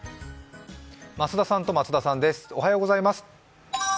増田さんと松田さんです。